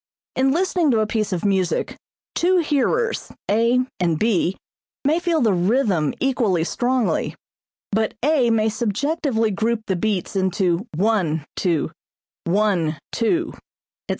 In listening to a piece of music, two hearers A and B may feel the rhythm equally strongly, but A may subjectively group the beats into one, two | one, two | etc.